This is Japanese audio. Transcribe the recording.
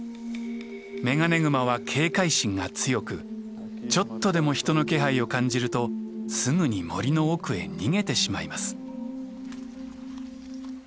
メガネグマは警戒心が強くちょっとでも人の気配を感じるとすぐに森の奥へ逃げてしまいます。